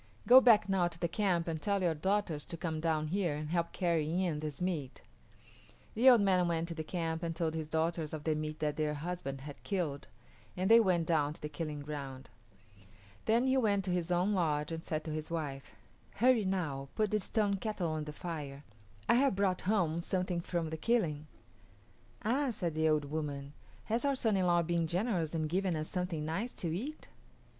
Go back now to the camp and tell your daughters to come down here and help carry in this meat." The old man went to the camp and told his daughters of the meat that their husband had killed, and they went down to the killing ground. Then he went to his own lodge and said to his wife, "Hurry, now, put the stone kettle on the fire. I have brought home something from the killing." "Ah," said the old woman, "has our son in law been generous and given us something nice to eat?"